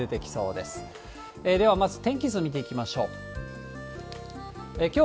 ではまず天気図見ていきましょう。